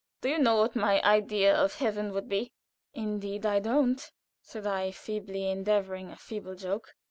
"Do you know what my idea of heaven would be?" "Indeed, I don't," said I, feebly endeavoring a feeble joke.